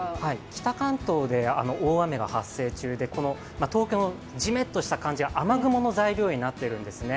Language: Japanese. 北関東で大雨が発生中で、じめっとした感じは雨雲の材料になっているんですね。